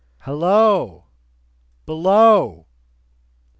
"Halloa! Below!"